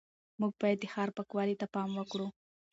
موږ باید د ښار پاکوالي ته پام وکړو